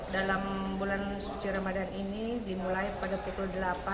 dalam bulan suci ramadan ini dimulai pada pukul delapan